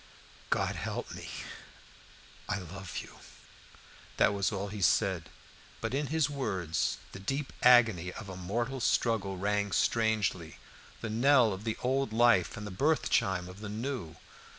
"God help me I love you." That was all he said, but in his words the deep agony of a mortal struggle rang strangely the knell of the old life and the birth chime of the new.